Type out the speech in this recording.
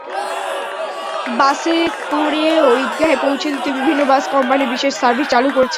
বাসে করেও ঈদগাহে পৌঁছে দিতে বিভিন্ন বাস কোম্পানি বিশেষ সার্ভিস চালু করছে।